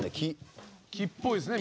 木っぽいっすね